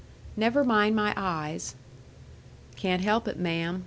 "Never mind my eyes." "Can't help it, ma'am.